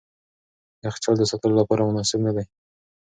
یخچال د ساتلو لپاره مناسب نه دی.